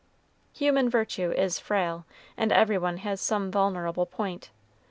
Human virtue is frail, and every one has some vulnerable point.